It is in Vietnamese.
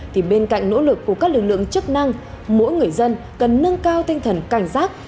thì bên cạnh nỗ lực của các lực lượng chức năng mỗi người dân cần nâng cao tinh thần cảnh giác